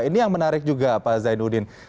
ini yang menarik juga pak zainuddin